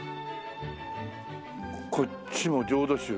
こっちも浄土宗。